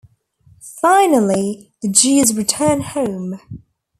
Finally, the Jews return home.